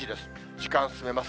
時間を進めます。